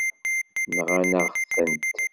Nɣan-aɣ-tent.